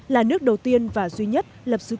là nước đầu tiên và duy nhất lập dưới quán